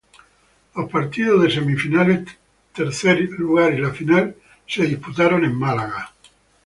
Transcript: Los partidos de semifinales, tercer lugar y la final se disputaron en Miami.